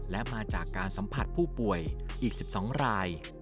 และมาจากการสัมผัสผู้ป่วยอีก๑๒ราย